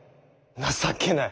情けない！